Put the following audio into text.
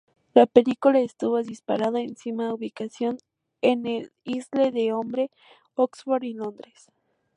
La película estuvo disparada encima ubicación en el Isle de Hombre, Oxford y Londres.